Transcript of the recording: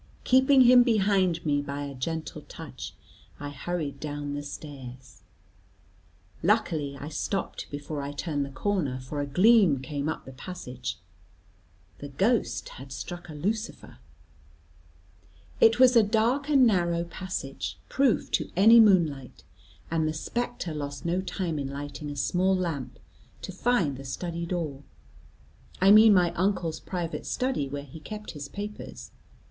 Keeping him behind me by a gentle touch, I hurried down the stairs. Luckily, I stopped before I turned the corner, for a gleam came up the passage; the ghost had struck a lucifer. It was a dark and narrow passage, proof to any moon light, and the spectre lost no time in lighting a small lamp, to find the study door; I mean my uncle's private study, where he kept his papers.